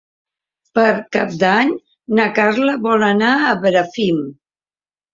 Per Cap d'Any na Carla vol anar a Bràfim.